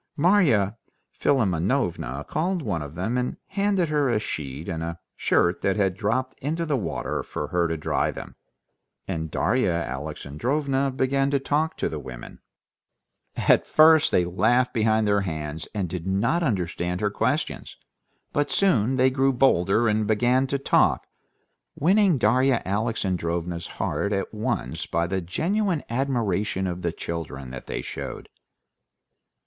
Marya Philimonovna called one of them and handed her a sheet and a shirt that had dropped into the water for her to dry them, and Darya Alexandrovna began to talk to the women. At first they laughed behind their hands and did not understand her questions, but soon they grew bolder and began to talk, winning Darya Alexandrovna's heart at once by the genuine admiration of the children that they showed.